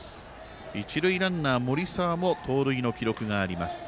一塁ランナー森澤も盗塁の記録があります。